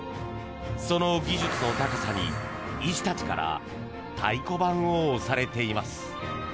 その技術の高さに、医師たちから太鼓判を押されています。